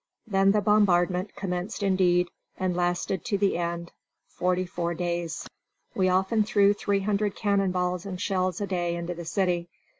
Then the bombardment commenced indeed, and lasted to the end, forty four days. We often threw three hundred cannonballs and shells a day into the city.